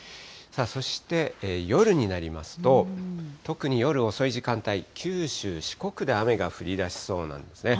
そして、夜になりますと、特に夜遅い時間帯、九州、四国で雨が降りだしそうなんですね。